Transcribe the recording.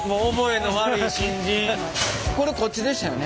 これこっちでしたよね？